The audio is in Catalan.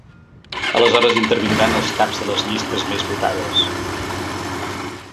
Aleshores intervindran els caps de les llistes més votades.